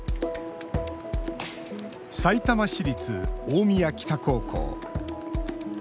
さいたま市立大宮北高校。